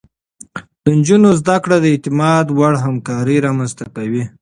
د نجونو زده کړه د اعتماد وړ همکاري رامنځته کوي.